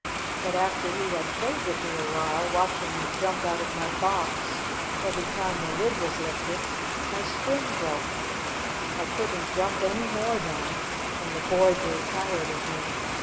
But after he had played with me awhile, watching me jump out of my box every time the lid was lift ed, my spring broke. I couldn't jump any more then, and the boy grew tired of me.